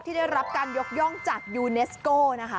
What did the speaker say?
ที่ได้รับการยกย่องจากยูเนสโก้